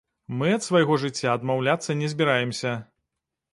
Мы ад свайго жыцця адмаўляцца не збіраемся.